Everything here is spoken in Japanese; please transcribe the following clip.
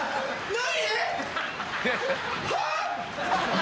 何！？